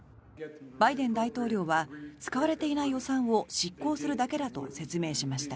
バイデン大統領は使われていない予算を執行するだけだと説明しました。